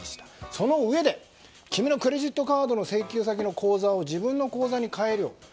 そのうえで、君のクレジットカードの請求先の口座を自分の口座に変えるよと。